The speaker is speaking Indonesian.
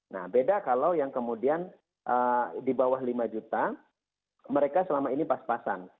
nah beda kalau yang kemudian di bawah lima juta mereka selama ini pas pasan